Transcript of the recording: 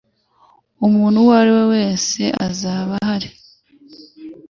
Umuntu wese uwo ari we wese azaba ahari.